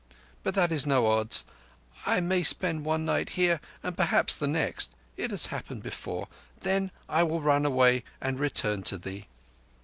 But that is no odds. I may spend one night here and perhaps the next. It has happened before. Then I will run away and return to thee."